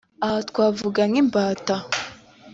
Aha twavuga nk’imbata